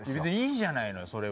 別にいいじゃないのよ